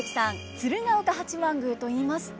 鶴岡八幡宮といいますと。